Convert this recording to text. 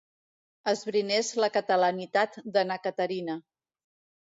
Esbrinés la catalanitat de na Caterina.